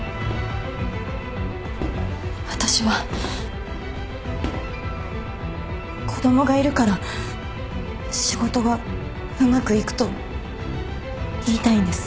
私は子供がいるから仕事がうまくいくと言いたいんです。